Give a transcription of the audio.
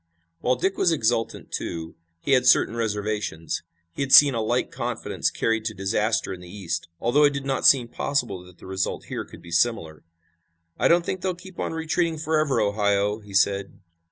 While Dick was exultant, too, he had certain reservations. He had seen a like confidence carried to disaster in the East, although it did not seem possible that the result here could be similar. "I don't think they'll keep on retreating forever, Ohio," he said.